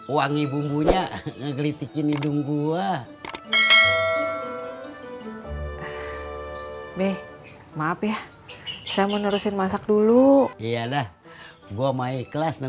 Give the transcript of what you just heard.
wangi bumbunya ngelitikin hidung gua deh maaf ya saya menerusin masak dulu iya dah gua maiklas